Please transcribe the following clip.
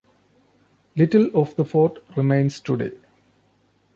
Little of the fort remains today.